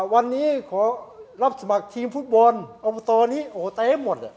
วันนี้ขอรับสมัครทีมฟุตบอลอบตนี้โอ้เต็มหมด